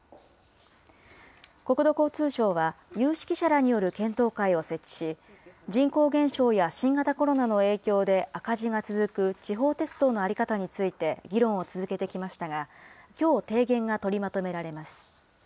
国土交通省は、有識者らによる検討会を設置し、人口減少や新型コロナの影響で赤字が続く地方鉄道の在り方について議論を続けてきましたが、きょう提言が取りまとめられます。